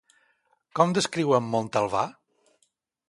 Com descriu en Montalvà?